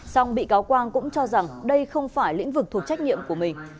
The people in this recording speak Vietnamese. xong bị cáo quang cũng cho rằng đây không phải lĩnh vực thuộc trách nhiệm của mình